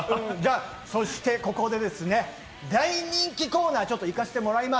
そして、ここでですね、大人気コーナーに行かせてもらいます。